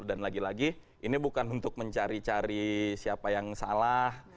dan lagi lagi ini bukan untuk mencari cari siapa yang salah